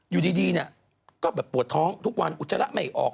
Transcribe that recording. อยู่ดีเนี่ยก็แบบปวดท้องทุกวันอุจจาระไม่ออก